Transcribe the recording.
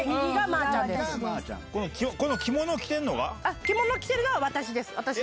あっ、着物着てるのは私です。